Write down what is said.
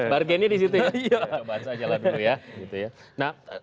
bargainnya disitu ya